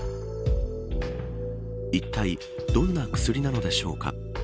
いったいどんな薬なのでしょうか。